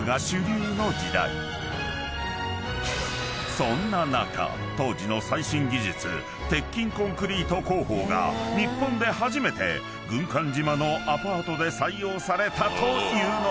［そんな中当時の最新技術鉄筋コンクリート工法が日本で初めて軍艦島のアパートで採用されたというのだ］